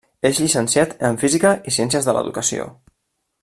És llicenciat en Física i Ciències de l'Educació.